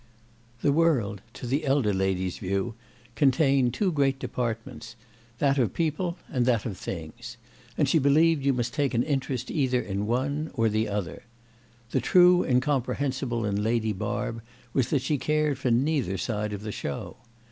The world, to the elder lady's view, contained two great departments, that of people and that of things; and she believed you must take an interest either in one or the other. The true incomprehensible in Lady Barb was that she cared for neither side of the show.